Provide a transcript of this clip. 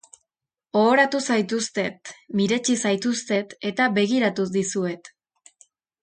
Ohoratu zaituztet, miretsi zaituztet eta begiratu dizuet.